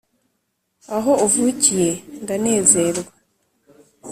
aho uvukiye ndanezerwa